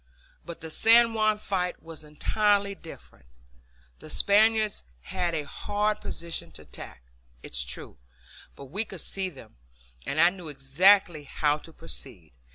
But the San Juan fight was entirely different. The Spaniards had a hard position to attack, it is true, but we could see them, and I knew exactly how to proceed.